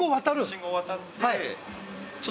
信号渡って。